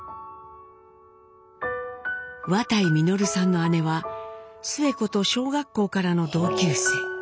綿井實さんの姉はスエ子と小学校からの同級生。